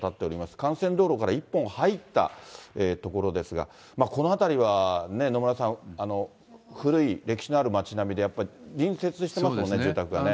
幹線道路から１本入った所ですが、この辺りはね、野村さん、古い歴史のある街並みで、やっぱり隣接してますもんね、住宅がね。